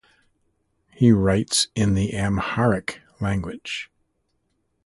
He writes in the Amharic language.